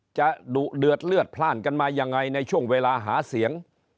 ดุเดือดเลือดพลาดกันมายังไงในช่วงเวลาหาเสียง